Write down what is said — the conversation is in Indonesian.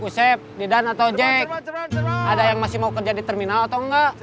saya masih mau kerja di terminal atau enggak